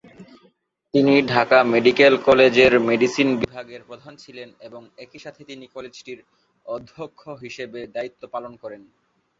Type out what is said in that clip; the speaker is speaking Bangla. তিনি ঢাকা মেডিকেল কলেজের মেডিসিন বিভাগের প্রধান ছিলেন, এবং একই সাথে তিনি কলেজটির অধ্যক্ষ হিসেবে দায়িত্ব পালন করেন।